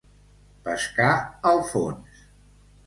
Pescar al fons.